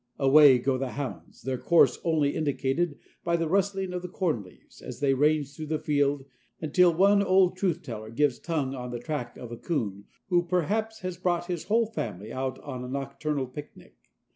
Away go the hounds, their course only indicated by the rustling of the corn leaves, as they range through the field, until one old truth teller gives tongue on the track of a coon who perhaps has brought his whole family out on a nocturnal picnic.